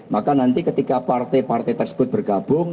maka nanti ketika partai partai tersebut bergabung